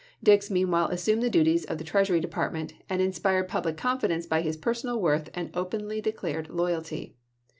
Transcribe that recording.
Dix meanwhile assumed the duties of the Treasury Department, and in spired public confidence by his personal worth and openly declared loyalty.